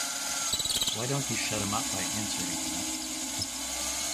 Why don't you shut him up by answering him?